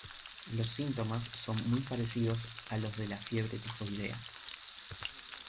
Los síntomas son muy parecidos a los de la fiebre tifoidea.